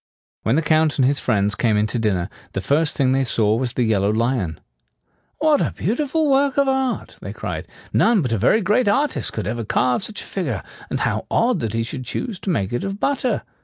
When the Count and his friends came in to dinner, the first thing they saw was the yellow lion. "What a beautiful work of art!" they cried. "None but a very great artist could ever carve such a figure; and how odd that he should choose to make it of butter!"